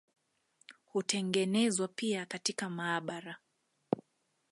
Hutengenezwa pia katika maabara.